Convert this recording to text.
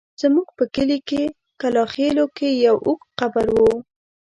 زموږ په کلي کلاخېلو کې يو اوږد قبر و.